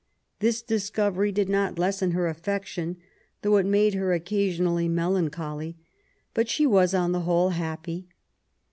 This discovery did not lessen her affection, though it made her occasionally melan choly. But she was, on the whole, happy.